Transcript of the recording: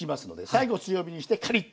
最後強火にしてカリッと。